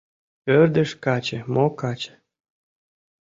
Ӧрдыж каче мо каче